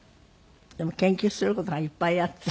でも研究する事がいっぱいあって。